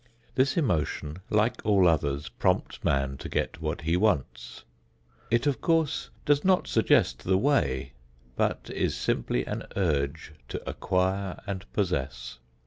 This emotion, like all others, prompts man to get what he wants. It of course does not suggest the way, but is simply an urge to acquire and possess.